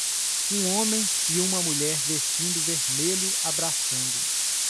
Um homem e uma mulher vestindo vermelho abraçando.